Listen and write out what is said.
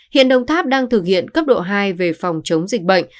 hiện đồng tháp đang thực hiện cấp độ hai về phòng chống dịch bệnh